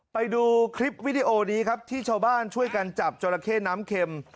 ไปดูคลิปวิดีโอนี้ครับที่ชาวบ้านช่วยกันจับจราเข้น้ำเข็ม